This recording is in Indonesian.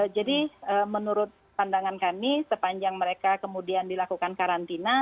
jadi menurut pandangan kami sepanjang mereka kemudian dilakukan karantina